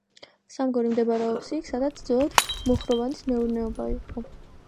სამგორი მდებარეობს იქ, სადაც ძველად მუხროვანის მეურნეობა იყო.